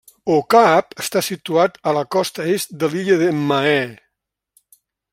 Au Cap està situat a la costa est de l'illa de Mahé.